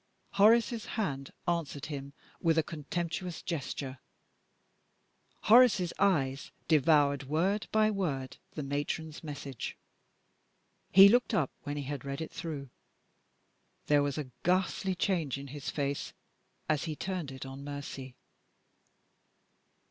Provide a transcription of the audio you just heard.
Horace's hand answered him with a contemptuous gesture. Horace's eyes devoured, word by word, the Matron's message. He looked up when he had read it through. There was a ghastly change in his face as he turned it on Mercy.